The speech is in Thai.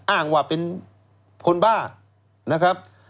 อ้างว่าเป็นคนบ้านะครับ